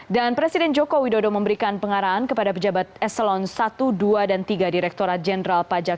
dan presiden jokowi dodo memberikan pengaraan kepada pejabat eselon satu dua dan tiga direkturat jenderal pajak